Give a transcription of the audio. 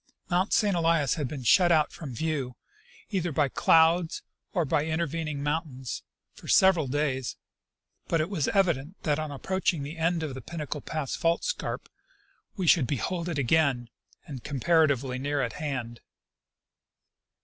Mount St. Elias had been shut out from view, either by clouds or by intervening mountains, for several days ; but it was evident that on approaching the end of the Pinnacle pass fault scarp we should behold it again, and comparatively near at hand.